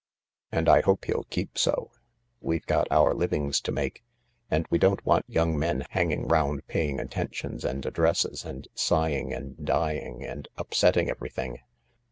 And I hope he'll keep so. We've got our livings to make, and we don't want young men hanging round, paying attentions and addresses and sighing and dying and upsetting everything.